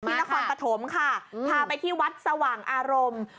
นครปฐมค่ะพาไปที่วัดสว่างอารมณ์